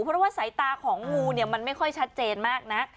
เพราะว่าใสตาของงูมันไม่ค่อยชัดเจนมากนะ